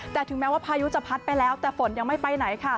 แต่ถึงแม้ว่าพายุจะพัดไปแล้วแต่ฝนยังไม่ไปไหนค่ะ